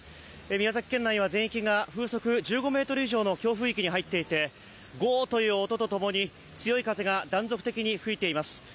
宮崎県内は全域が風速１５ｍの強風域に入っていてゴーっという音とともに強い風が断続的に吹いています。